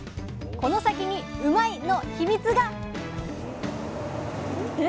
この先にうまいッ！の秘密が！